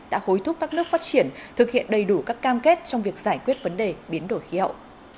đã hối thúc các nước phát triển thực hiện đầy đủ các cam kết trong việc giải quyết vấn đề biến đổi khí hậu